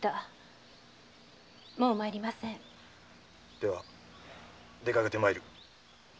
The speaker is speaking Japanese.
では出かけてまいる。